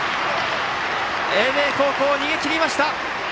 英明高校、逃げ切りました！